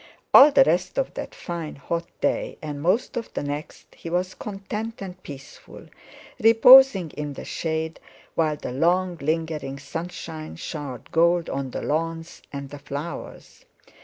All the rest of that fine hot day and most of the next he was content and peaceful, reposing in the shade, while the long lingering sunshine showered gold on the lawns and the flowers.